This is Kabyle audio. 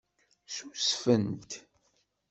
Ssusfent.